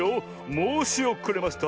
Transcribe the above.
もうしおくれました。